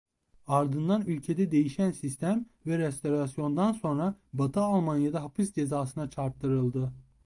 Ardından ülkede değişen sistem ve restorasyondan sonra Batı Almanya'da hapis cezasına çarptırıldı.